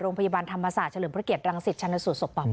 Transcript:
โรงพยาบาลธรรมศาสตร์เฉลิมพระเกียรติรังสิทธิ์ชนสูตรสกป่อมไป